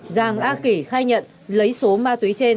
giàng a kỷ khai nhận lấy số ma túy trên